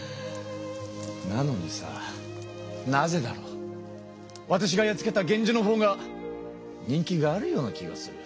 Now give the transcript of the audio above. なのにさあなぜだろう？わたしがやっつけた源氏のほうが人気があるような気がする。